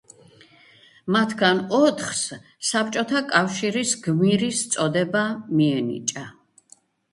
მათგან ოთხს საბჭოთა კავშირის გმირის წოდება მიენიჭა.